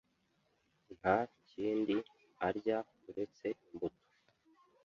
Nta kindi arya uretse imbuto.